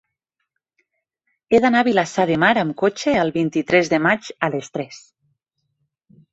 He d'anar a Vilassar de Mar amb cotxe el vint-i-tres de maig a les tres.